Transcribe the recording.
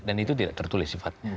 dan itu tidak tertulis sifatnya